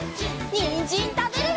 にんじんたべるよ！